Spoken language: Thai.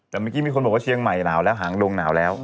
แต่เมื่อกี้มีคนบอกว่าเชียงใหม่หนาวแล้วหางดงหนาวแล้ว